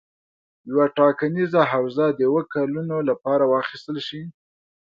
یوه ټاکنیزه حوزه د اووه کلونو لپاره واخیستل شي.